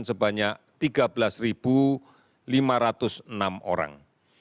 sebanyak tiga belas lima ratus enam orang